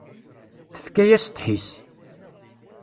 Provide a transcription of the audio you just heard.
Tefka-yas ddḥis.